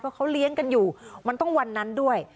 เพราะเขาเลี้ยงกันอยู่มันต้องวันนั้นด้วย